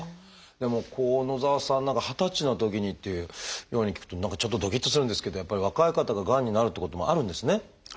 でも野澤さんなんかは二十歳のときにっていうように聞くと何かちょっとどきっとするんですけどやっぱり若い方ががんになるってこともあるんですね。